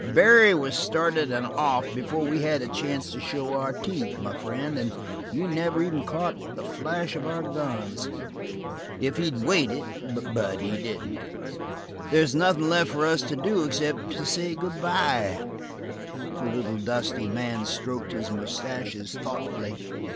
Barry was started and off before we had a chance to show teeth, my friend, and you never even caught the flash of our guns. If he'd waited but he didn't. There's nothing left for us to do except say good by." The little dusty man stroked his moustaches thoughtfully.